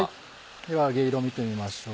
では揚げ色見てみましょう。